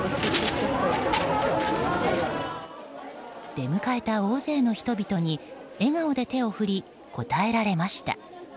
出迎えた大勢の人々に笑顔で手を振り応えられました。